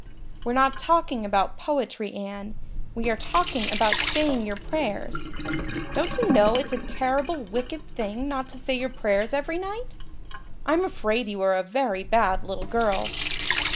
"We're not talking about poetry, Anne we are talking about saying your prayers. Don't you know it's a terrible wicked thing not to say your prayers every night? I'm afraid you are a very bad little girl."